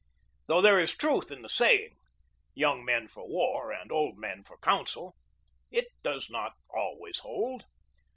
Though there is truth in the saying, "Young men for war, and old men for counsel," it does not always hold.